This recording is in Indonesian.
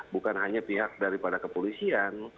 bukan hanya pihak daripada kepolisian